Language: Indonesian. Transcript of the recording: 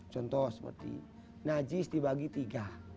contoh seperti najis dibagi tiga